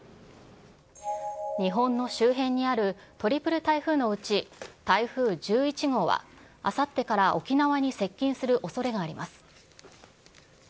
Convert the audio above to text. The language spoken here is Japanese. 日本の周辺にあるトリプル台風のうち、台風１１号は、あさってから沖縄に接近するおそれがあります。